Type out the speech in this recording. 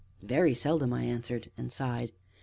"Very seldom!" I answered, and sighed.